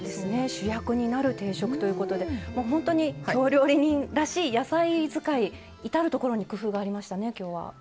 主役になる定食ということで京料理人らしい野菜使い、至る所に工夫がありましたね、きょうは。